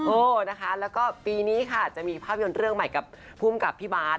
โอ้นะคะแล้วก็ปีนี้ค่ะจะมีภาพยนตร์เรื่องใหม่กับภูมิกับพี่บาท